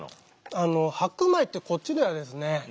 あの白米ってこっちではですね